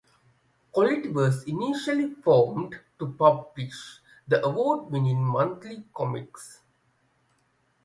Quality was initially formed to publish the award-winning monthly comics anthology "Warrior".